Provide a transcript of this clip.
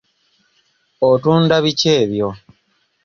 Otunda biki ebyo?